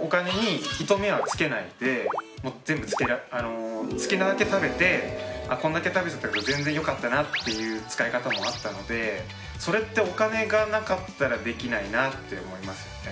お金に糸目はつけないでもう好きなだけ食べてこんだけ食べちゃったけど全然よかったなっていう使い方もあったのでそれってお金がなかったらできないなって思いますよね。